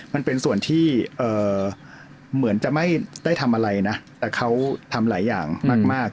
มันเป็นส่วนที่เหมือนจะไม่ได้ทำอะไรนะแต่เขาทำหลายอย่างมาก